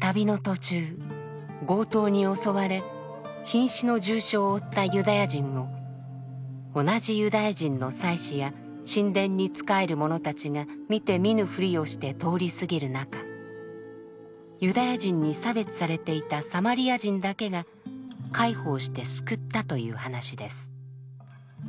旅の途中強盗に襲われひん死の重傷を負ったユダヤ人を同じユダヤ人の祭司や神殿に仕える者たちが見て見ぬふりをして通り過ぎる中ユダヤ人に差別されていたサマリア人だけが介抱して救ったという話です。